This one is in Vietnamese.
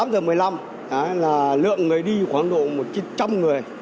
tám giờ một mươi năm là lượng người đi khoảng độ một chín trăm linh người